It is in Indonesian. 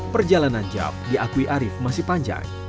perjalanan jav diakui arief masih panjang